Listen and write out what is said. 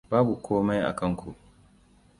Babu komai a kanku!